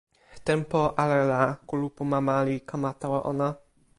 tenpo ale la kulupu mama li kama tawa ona.